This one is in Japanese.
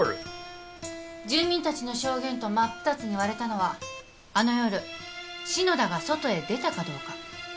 住民たちの証言と真っ二つに割れたのはあの夜篠田が外へ出たかどうか。